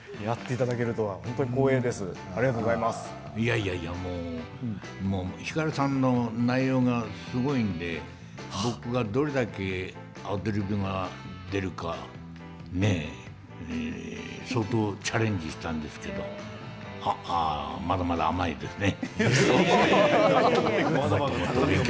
いやいや、ひかるさんの内容がすごいので僕がどれだけアドリブが出るかね相当チャレンジしたんですけどまだまだ甘いですね。